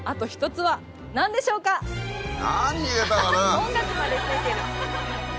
音楽までついてる。